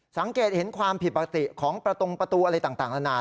สังเกตเห็นความผิดปกติของประตงประตูอะไรต่างนานา